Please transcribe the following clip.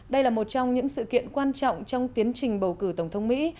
đây là một trong những sự kiện quan trọng trong tiến trình bầu cử tổng thống mỹ